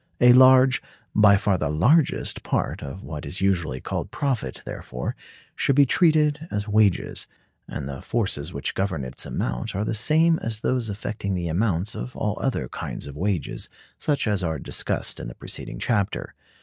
A large—by far the largest—part of what is usually called profit, therefore, should be treated as wages, and the forces which govern its amount are the same as those affecting the amounts of all other kinds of wages, such as are discussed in the preceding chapter.